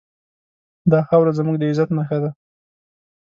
دا خاوره زموږ د عزت نښه ده.